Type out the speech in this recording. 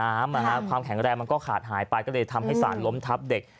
ความดินมันมีความอิ่มน้ำความแข็งแรงมันก็ขาดหายไปก็เลยทำให้สารล้มทับเด็ก